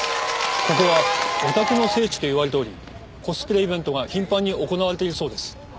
ここはオタクの聖地と言われておりコスプレイベントが頻繁に行われているそうです。